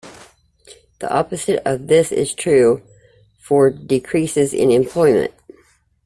The opposite of this is true for decreases in employment.